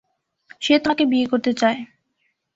সে তোমাকে বিয়ে করতে চায়।